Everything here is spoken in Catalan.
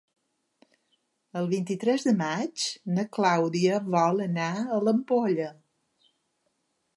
El vint-i-tres de maig na Clàudia vol anar a l'Ampolla.